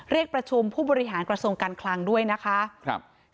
เรียกประชุมผู้บริหารกระทรวงการคลังด้วยนะคะครับ